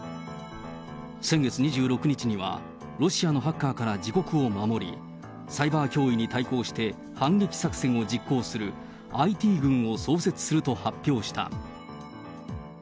先月２６日には、ロシアのハッカーから自国を守り、サイバー脅威に対抗して反撃作戦を実行するＩＴ軍を創設すると発表した。